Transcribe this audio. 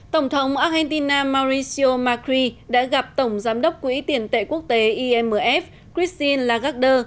tổng thống argentina mauricio macri đã gặp tổng giám đốc quỹ tiền tệ quốc tế imf christine lagarder